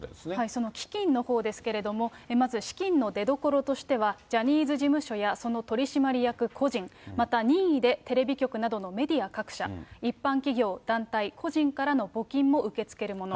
その基金のほうですけれども、まず資金の出どころとしては、ジャニーズ事務所やその取締役個人、また任意でテレビ局などのメディア各社、一般企業、団体、個人からの募金も受け付けるもの。